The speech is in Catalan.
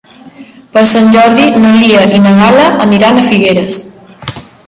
Per Sant Jordi na Lia i na Gal·la aniran a Figueres.